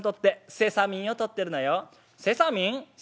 「セサミン？